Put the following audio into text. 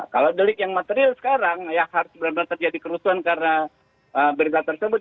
kalau delik yang material sekarang yang harus benar benar terjadi kerusuhan karena berita tersebut